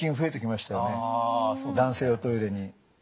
男性用トイレに。